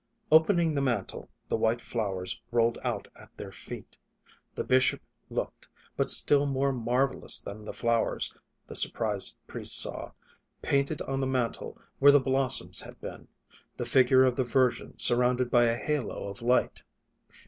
Opening the mantle the white flowers rolled out at their feet. The bishop looked, but still more marvellous than the flowers, the surprised priest saw, painted on the mantle where the blossoms had been, the figure of the Virgin surround ed by a halo of light.